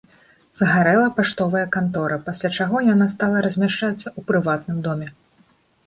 Згарэла паштовая кантора, пасля чаго яна стала размяшчацца ў прыватным доме.